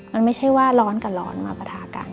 มันไม่ใช่ว่าร้อนกับร้อนมาปะทะกัน